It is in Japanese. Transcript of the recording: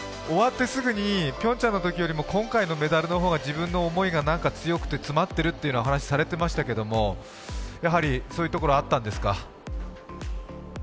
終わってすぐにピョンチャンのときより今回のメダルの方が自分の思いがなんか強くて詰まってるというようなお話されてましたけどそういうところはあったんですか。